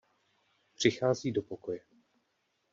Přichází do pokoje.